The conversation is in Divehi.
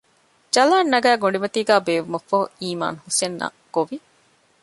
ޖަލާން ނަގައި ގޮޑިމަތީގައި ބޭއްވުމަށްފަހު އީމާން ހުސެންއަށް ގޮވި